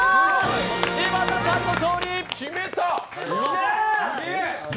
柴田さんの勝利。